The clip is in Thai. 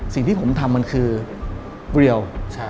สิ่งที่ผมทำมันคือเรียว